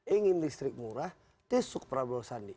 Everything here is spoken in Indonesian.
ingin listrik murah desuk prabowo sandi